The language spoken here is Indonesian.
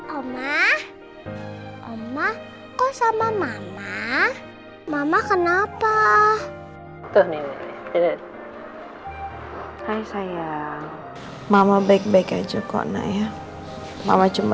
omah omah kok sama mama mama kenapa hai sayang mama baik baik aja kok naya mama cuma